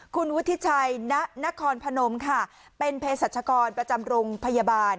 คุณวุฒิชัยณนครพนมค่ะเป็นเพศรัชกรประจำโรงพยาบาล